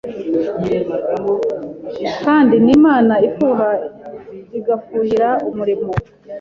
kandi ni Imana ifuha igafuhira umurimo